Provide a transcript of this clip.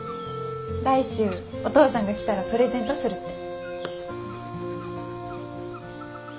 来週お父さんが来たらプレゼントするって。